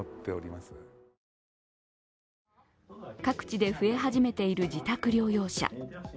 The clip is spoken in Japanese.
各地で増え始めている自宅療養者。